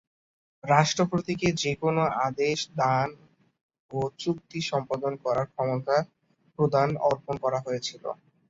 রাষ্ট্রপতিকে যে কোন আদেশ দান ও চুক্তি সম্পাদন করার ক্ষমতা প্রদান অর্পণ করা হয়েছিল।